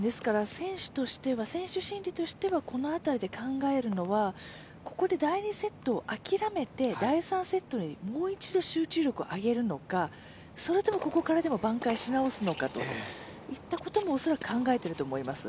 選手心理としてはこの辺りで考えるのは、ここで第２セットを諦めて、第３セットにもう一度、集中力を上げるのか、それとも、ここからでも挽回し直すのかといったことも恐らく考えていると思います。